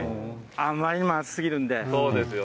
あまりにも暑すぎるんで。